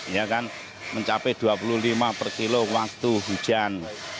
ya kan mencapai dua puluh lima per kilo waktu hujan